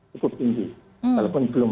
cukup tinggi walaupun belum